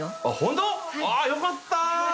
あよかった！